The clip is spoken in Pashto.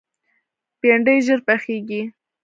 بېنډۍ ژر پخېږي